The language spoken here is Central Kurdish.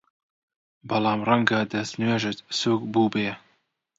بەڵام ڕەنگە دەستنوێژت سووک بووبێ!